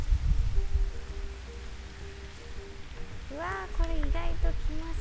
わこれ意外ときますね。